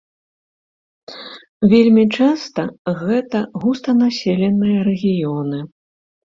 Вельмі часта гэта густанаселеныя рэгіёны.